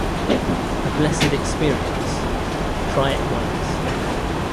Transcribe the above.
A blessed expérience—-Try it once.